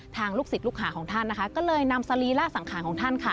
ลูกศิษย์ลูกหาของท่านนะคะก็เลยนำสรีระสังขารของท่านค่ะ